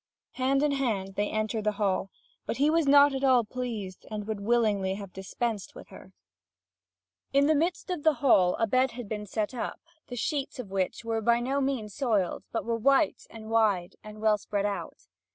Hand in hand they enter the hall, but he was not at all pleased, and would have willingly dispensed with her. (Vv. 1207 1292.) In the midst of the hall a bed had been set up, the sheets of which were by no means soiled, but were white and wide and well spread out.